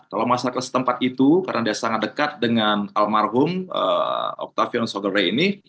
kalau masyarakat setempat itu karena dia sangat dekat dengan almarhum octavianus souvere ini